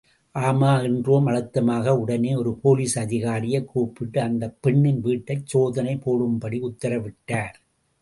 ஆமா என்றோம் அழுத்தமாக உடனே ஒரு போலீஸ் அதிகாரியைக் கூப்பிட்டு அந்தப் பெண்ணின் வீட்டைச்சோதனை போடும்படி உத்தரவிட்டார்.